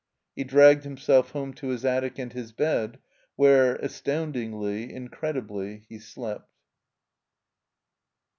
He dragged himself home to his attic and his bed, where, astoimdingly, incredibly, he slept.